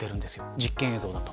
実験映像だと。